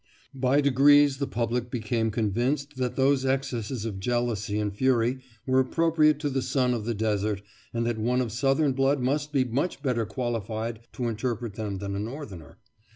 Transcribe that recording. By degrees the public became convinced that those excesses of jealousy and fury were appropriate to the son of the desert, and that one of Southern blood must be much better qualified to interpret them than a Northerner.